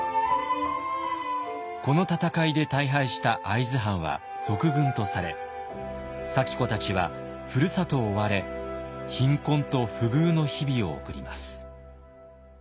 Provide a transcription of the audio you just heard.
この戦いで大敗した会津藩は賊軍とされ咲子たちはふるさとを追われ貧困と不遇の日々を送ります。